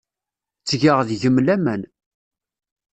Ttgeɣ deg-m laman.